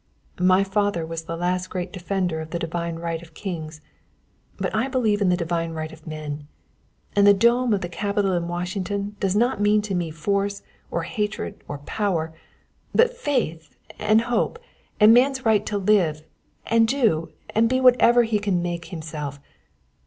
My father was the last great defender of the divine right of kings; but I believe in the divine right of men. And the dome of the Capitol in Washington does not mean to me force or hatred or power, but faith and hope and man's right to live and do and be whatever he can make himself.